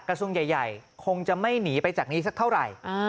กระทรวงใหญ่คงจะไม่หนีไปจากนี้สักเท่าไหร่